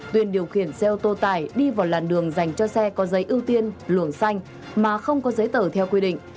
tuyền điều khiển xe ô tô tải đi vào làn đường dành cho xe có giấy ưu tiên luồng xanh mà không có giấy tờ theo quy định